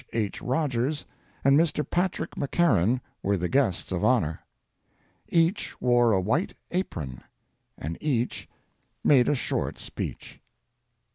H. Rogers, and Mr. Patrick McCarren were the guests of honor. Each wore a white apron, and each made a short speech.